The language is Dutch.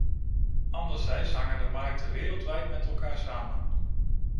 Anderzijds hangen de markten wereldwijd met elkaar samen.